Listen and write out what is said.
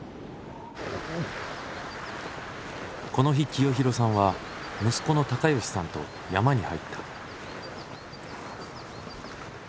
この日清弘さんは息子の貴吉さんと山に入った。